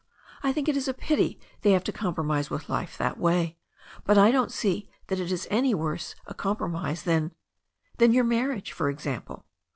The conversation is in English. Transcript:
I think it is a pity they have to compromise with life that way. But I don't see that it is any worse a com promise than — ^than your marriage, for example."